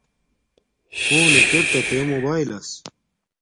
فونک ارݵتا تے موباݵلس